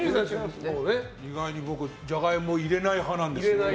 意外に僕、ジャガイモを入れない派なんです。